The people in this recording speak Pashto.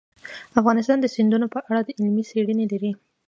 افغانستان د سیندونه په اړه علمي څېړنې لري.